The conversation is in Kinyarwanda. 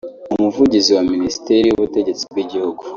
Umuvugizi wa Minisiteri y’ubutegetsi bw’Igihugu